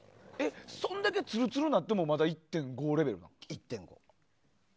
そんだけツルツルなってもまだ１．５レベル？